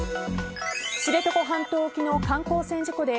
知床半島沖の観光船事故で